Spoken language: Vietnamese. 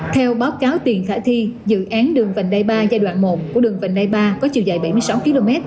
theo báo cáo tiền khả thi dự án đường vành đai ba giai đoạn một của đường vành đai ba có chiều dài bảy mươi sáu km